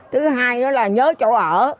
thứ hai nữa là nhớ chỗ ở